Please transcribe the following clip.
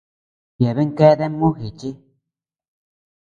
Yeabean keadea mojeché.